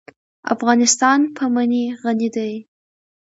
افغانستان په منی غني دی.